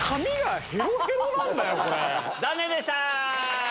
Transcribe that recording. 残念でした！